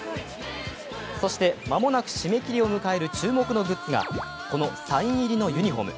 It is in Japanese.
そして間もなく締め切りを迎える注目のグッズがこのサイン入りのユニフォーム。